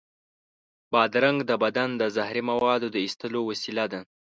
بادرنګ د بدن د زهري موادو د ایستلو وسیله ده.